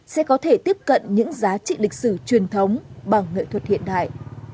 sẽ có thể tiếp cận những giá trị lịch sử truyền thống bằng nghệ thuật hiện đại